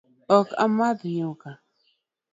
Ok amadh nyuka